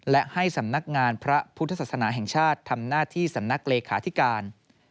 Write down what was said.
และให้สำนักงานพระพุทธศาสนาแห่งชาติทำหน้าที่สำนักเลขาธิการ